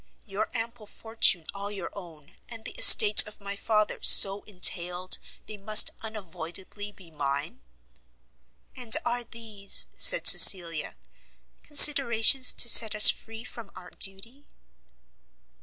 Your ample fortune all your own, and the estates of my father so entailed they must unavoidably be mine?" "And are these," said Cecilia, "considerations to set us free from our duty?"